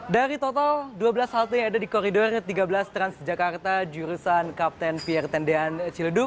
dari total dua belas halte yang ada di koridor tiga belas transjakarta jurusan kapten pr tendean ciledug